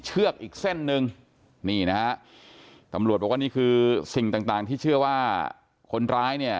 เชือกอีกเส้นหนึ่งนี่นะฮะตำรวจบอกว่านี่คือสิ่งต่างต่างที่เชื่อว่าคนร้ายเนี่ย